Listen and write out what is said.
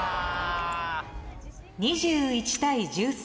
２１対１３。